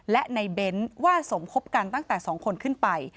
และในเบ้นว่าสมคบกันตั้งแต่๒คนขึ้นไป